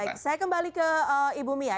baik saya kembali ke ibu mia